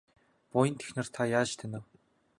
Буянт эхнэр та яаж танив?